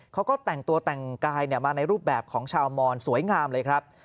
เขาก็แต่งตัวแต่งกายมาในรูปแบบของชาวมอนสวยงามเลยครับ